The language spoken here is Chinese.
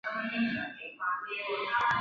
多斑杜鹃为杜鹃花科杜鹃属下的一个种。